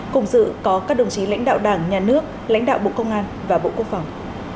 cùng dự có các đồng chí lãnh đạo đảng nhà nước lãnh đạo bộ công an và bộ quốc phòng